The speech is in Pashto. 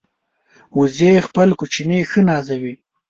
وزې خپل کوچني ښه نازوي